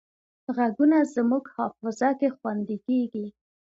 غږونه زموږ حافظه کې خوندي کېږي